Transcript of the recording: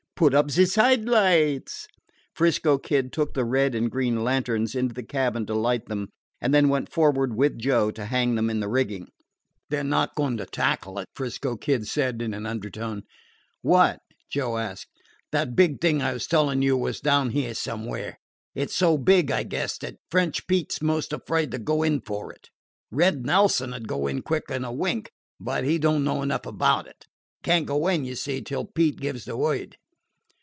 "Put up ze side lights." 'Frisco Kid took the red and green lanterns into the cabin to light them, and then went forward with Joe to hang them in the rigging. "They 're not goin' to tackle it," 'Frisco Kid said in an undertone. "What?" Joe asked. "That big thing I was tellin' you was down here somewhere. It 's so big, I guess, that French Pete 's 'most afraid to go in for it. Red Nelson 'd go in quicker 'n a wink, but he don't know enough about it. Can't go in, you see, till Pete gives the word."